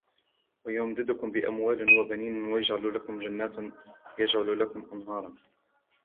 ويمددكم بأموال وبنين ويجعل لكم جنات ويجعل لكم أنهارا